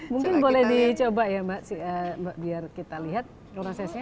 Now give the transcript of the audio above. mungkin boleh dicoba ya mbak biar kita lihat prosesnya